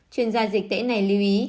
chuyên gia dịch tễ này lưu ý